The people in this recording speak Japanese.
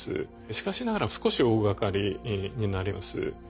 しかしながら少し大がかりになります。